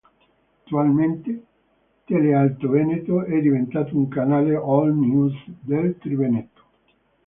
Attualmente Tele Alto Veneto è diventato un canale all news del triveneto.